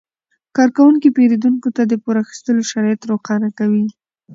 کارکوونکي پیرودونکو ته د پور اخیستلو شرایط روښانه کوي.